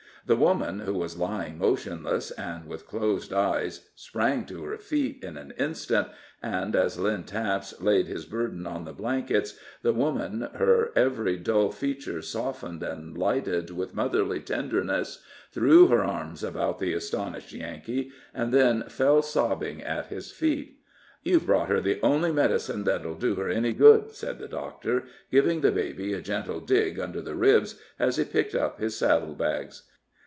The woman, who was lying motionless and with closed eyes, sprang to her feet in an instant, and as Lynn Taps laid his burden on the blankets, the woman, her every dull feature softened and lighted with motherly tenderness, threw her arms about the astonished Yankee, and then fell sobbing at his feet. "You've brought her the only medicine that'll do her any good," said the doctor, giving the baby a gentle dig under the ribs as he picked up his saddle bags.